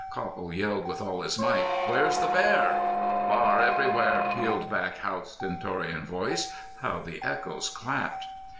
Copple yelled with all his might: "Where's the bear?" "Bar everywhar!" pealed back Haught's stentorian voice. How the echoes clapped!